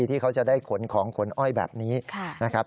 ที่เขาจะได้ขนของขนอ้อยแบบนี้นะครับ